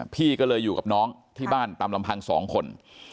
พี่ก็เลยอยู่กับน้องที่บ้านตามลำพังสองคน